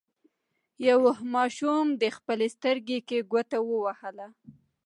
یوه ماشوم د خپلې سترګې ګوته ووهله.